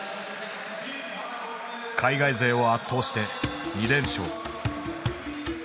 海外勢を圧倒して２連勝。